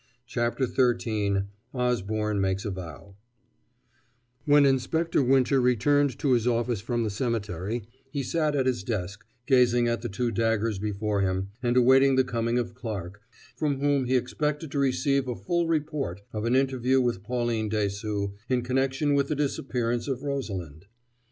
CHAPTER XIII OSBORNE MAKES A VOW When Inspector Winter returned to his office from the cemetery he sat at his desk, gazing at the two daggers before him, and awaiting the coming of Clarke, from whom he expected to receive a full report of an interview with Pauline Dessaulx in connection with the disappearance of Rosalind.